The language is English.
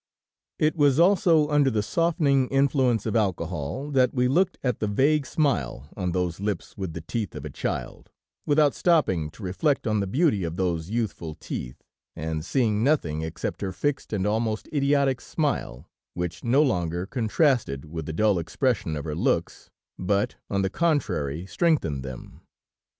It was also under the softening influence of alcohol that we looked at the vague smile on those lips with the teeth of a child, without stopping to reflect on the beauty of those youthful teeth, and seeing nothing except her fixed and almost idiotic smile, which no longer contrasted with the dull expression of her looks, but, on the contrary, strengthened them.